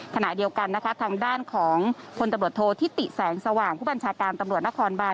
ขณะเดียวกันนะคะทางด้านของพศธิติแสงสว่างพบังชาการตำรวจนครบาล